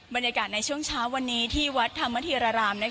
บรรยากาศในช่วงเช้าวันนี้ที่วัดธรรมธีรราราม